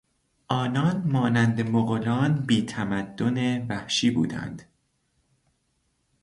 آنان مانند مغولان بیتمدن وحشی بودند.